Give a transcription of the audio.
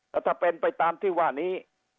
แล้วถ้าเป็นไปตามที่ว่านี้